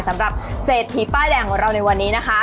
สำหรับเศรษฐีป้ายแดงของเราในวันนี้นะคะ